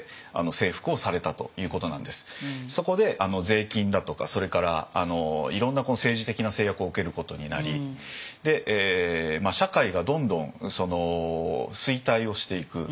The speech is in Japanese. そこで税金だとかそれからいろんな政治的な制約を受けることになり社会がどんどん衰退をしていく。